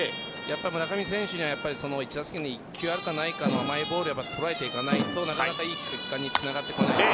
村上選手は１打席に１球あるかないかの甘いボールを捉えていかないとなかなか良い結果につながってこないです。